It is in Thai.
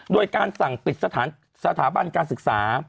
โดยการสั่งปิดสถาบันการศึกษา